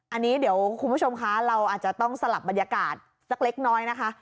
อันนี้เดี๋ยวคุณผู้ชมคะเราอาจจะต้องสลับบรรยากาศสักเล็กน้อยนะคะ